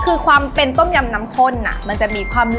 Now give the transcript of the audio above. คือความเป็นต้มยำน้ำข้นมันจะมีความนุ่ม